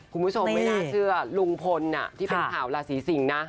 คุณผู้ชมไม่น่าเชื่อลุงพลที่เป็นข่าวราศีสิงนะ